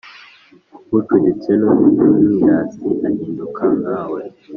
ucuditse n’umwirasi, ahinduka nka we